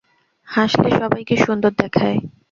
হাসলে সবাইকে সুন্দর দেখায়।